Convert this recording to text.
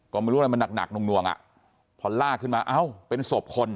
ก็ไม่รู้อะไรมันหนักหน่วงอ่ะพอลากขึ้นมาเอ้าเป็นศพคน